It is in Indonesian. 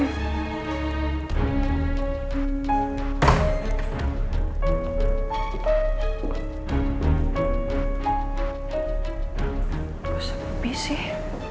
gak usah kopi sih